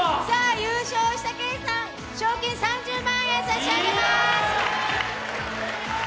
優勝したＫさん、賞金３０万円差し上げます。